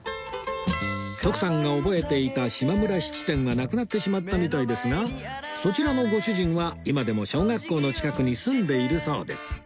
徳さんが覚えていた島村質店はなくなってしまったみたいですがそちらのご主人は今でも小学校の近くに住んでいるそうです